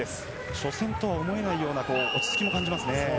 初戦と思えないような落ち着きが見えますね。